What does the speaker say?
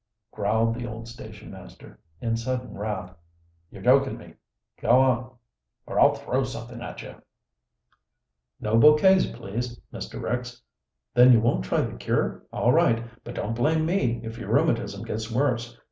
growled the old station master, in sudden wrath. "You're joking me. Go oh, or I'll throw something at you!" "No bouquets, please, Mr. Ricks. Then you won't try the cure? All right, but don't blame me if your rheumatism gets worse.